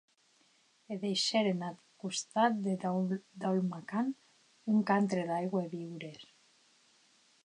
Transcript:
E deishèren ath costat de Daul’makan, un cantre d’aigua e viures.